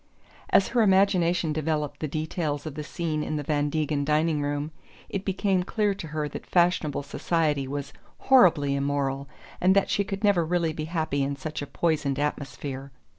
As her imagination developed the details of the scene in the Van Degen dining room it became clear to her that fashionable society was horribly immoral and that she could never really be happy in such a poisoned atmosphere.